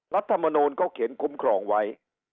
รัฐมนูลเขาเขียนคุ้มครองไว้